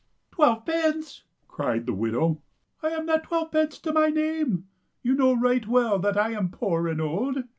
" Twelve pence !" cried the widow. " I *ve not twelve pence to my name. You know right well that I am poor and old.